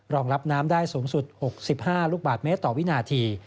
รองรับน้ำได้สูงสุด๖๕ลูกบาทเมตรต่อวินาที